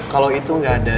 kalau itu gak ada